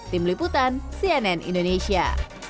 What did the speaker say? tim liputan cnn indonesia